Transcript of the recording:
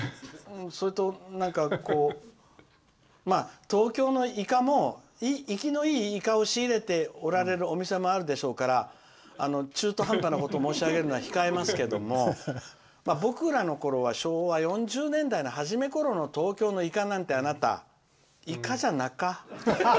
それと、東京のイカも生きのいいイカを仕入れているお店もあるでしょうから中途半端なことを申し上げるのは控えますけれども僕らのころは昭和４０年代のはじめころの東京のイカなんて、あなたイカじゃなか。